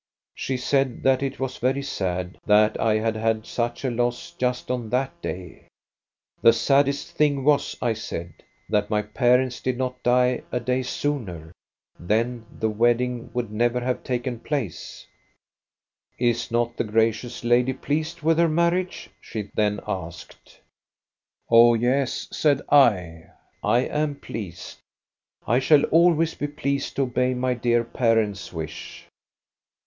" She said that it was very sad that I had had such a loss just on that day. "* The saddest thing was,' I said, * that my parents INTRODUCTION 2% did not die a day sooner ; then the wedding would never have taken place/ "' Is not the gracious lady pleased with her mar riage?' she then asked. "* Oh, yes/ said I, ' I am pleased. I shall always be pleased to obey my dear parents' wish